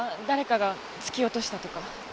誰かが突き落としたとか。